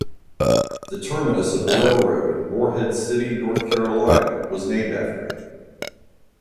The terminus of the railroad, Morehead City, North Carolina, was named after him.